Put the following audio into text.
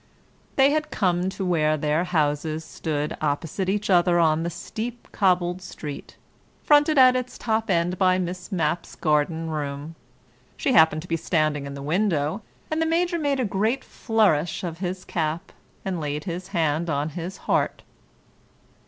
... They had come to where their houses stood opposite each other on the steep cobbled street, fronted at its top end by Miss Mapp's garden room. She happened to be standing in the window, and the Major made a great flourish of his cap, and laid his hand on his heart.